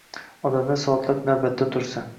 Odamlar soatlab navbatda tursa?